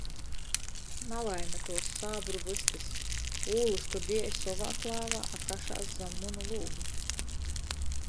Nalaime tuos sābru vystys. Ūlys to diej sovā klāvā, a kašās zam munu lūgu.